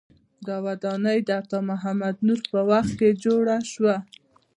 دا ودانۍ د عطا محمد نور په وخت کې جوړه شوه.